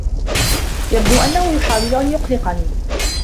يبدو أنّه يحاول أن يقلقني.